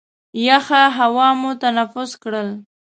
یخه هوا مو تنفس کړل.